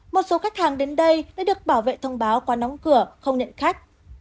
một số khách hàng đến đây đã được bảo vệ thông báo quán đóng cửa không nhận khách